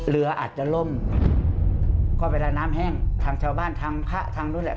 เรืออาจจะล่มเพราะเวลาน้ำแห้งทางชาวบ้านทางลูกน้ำ